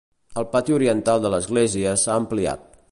El pati oriental de l'església s'ha ampliat.